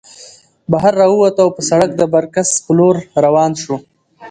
بهر راووتو او پۀ سړک د برکڅ په لور روان شو